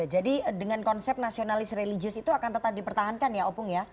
jadi dengan konsep nasionalis religius itu akan tetap dipertahankan ya opung